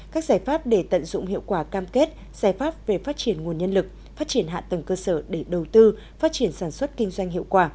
các giải pháp để tận dụng hiệu quả cam kết giải pháp về phát triển nguồn nhân lực phát triển hạ tầng cơ sở để đầu tư phát triển sản xuất kinh doanh hiệu quả